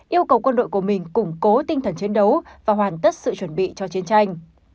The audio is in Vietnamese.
yêu cầu quân đội của mình củng cố tinh thần chiến đấu và hoàn tất sự chuẩn bị cho chiến tranh